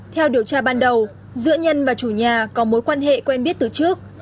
theo điều tra ban đầu giữa nhân và chủ nhà có mối quan hệ quen biết từ trước